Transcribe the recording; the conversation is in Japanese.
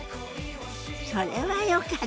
それはよかった。